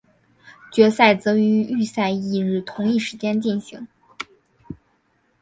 决赛则于预赛翌日同一时间进行。